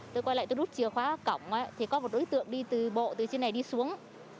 tôi quay lại tôi rút chìa khóa cổng thì có một đối tượng đi từ bộ từ trên này đi xuống